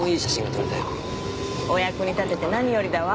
お役に立てて何よりだわ。